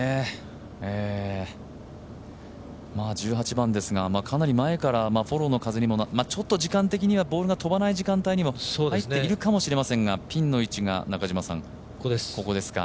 １８番ですが、かなり前からフォローの風にもちょっと時間的にはボールが飛ばない時間帯には入っているかもしれせんが、ピンの位置がここですか。